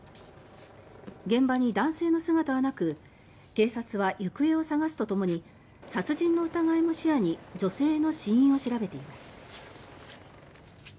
現場に男性の姿はなく警察は、行方を探すとともに殺人の疑いも視野に女性の死因を調べています。